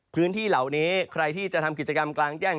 พื้นที่เหล่านี้ใครที่จะทำกิจกรรมกลางแจ้ง